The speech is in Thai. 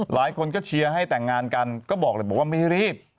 หลายคนก็เชียร์ให้แต่งงานกันก็บอกเลยบอกว่าไม่ให้รีบ